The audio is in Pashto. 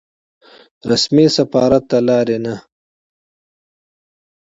رسمي سفارت له لارې نه.